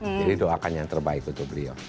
jadi doakan yang terbaik untuk beliau